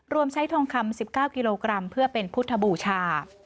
ใช้ทองคำ๑๙กิโลกรัมเพื่อเป็นพุทธบูชา